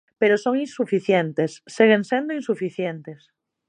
Pero son insuficientes, seguen sendo insuficientes.